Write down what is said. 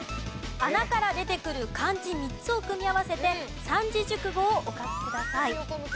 穴から出てくる漢字３つを組み合わせて三字熟語をお書きください。